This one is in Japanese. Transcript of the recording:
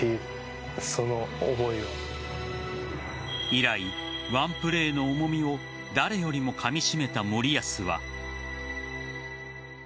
以来、ワンプレーの重みを誰よりも噛みしめた森保は。